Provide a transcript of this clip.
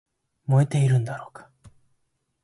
燃えているんだろうか